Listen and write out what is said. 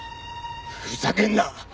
ふざけんな！